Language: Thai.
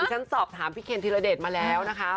ฉันสอบถามพี่เคนธีรเดชมาแล้วนะคะ